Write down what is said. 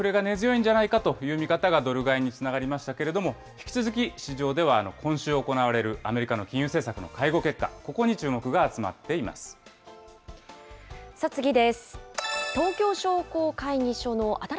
この日は世界的なインフレが根強いんじゃないかという見方がドル買いにつながりましたけれども、引き続き市場では今週行われるアメリカの金融政策の会合結果、こ次です。